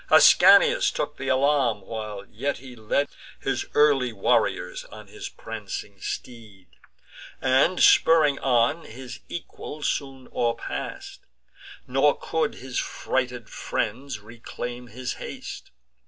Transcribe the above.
Ascanius took th' alarm, while yet he led His early warriors on his prancing steed, And, spurring on, his equals soon o'erpass'd; Nor could his frighted friends reclaim his haste.